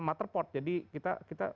motherboard jadi kita